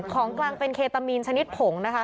ของกลางเป็นเคตามีนชนิดผงนะคะ